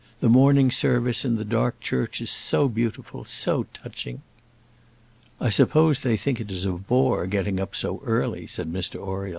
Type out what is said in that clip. The morning service in the dark church is so beautiful, so touching!" "I suppose they think it is a bore getting up so early," said Mr Oriel.